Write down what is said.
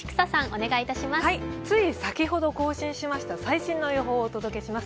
つい先ほど更新しました最新の予報をお届けします。